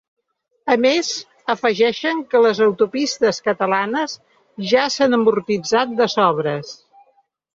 A més, afegeixen que les autopistes catalanes ja s’han amortitzat de sobres.